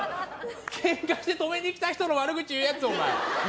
けんかして止めにきた人の悪口言うやつお前。